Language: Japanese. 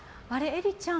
江里ちゃん